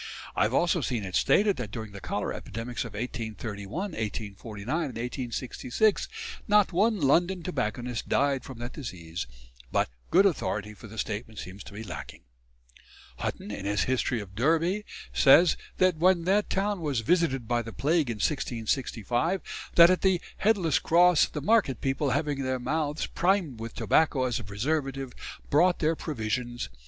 I have also seen it stated that during the cholera epidemics of 1831, 1849, and 1866 not one London tobacconist died from that disease; but good authority for the statement seems to be lacking. Hutton, in his "History of Derby," says that when that town was visited by the plague in 1665, that at the "Headless cross ... the market people, having their mouths primed with tobacco as a preservative, brought their provisions....